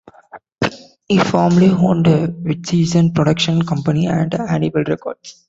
He formerly owned Witchseason production company and Hannibal Records.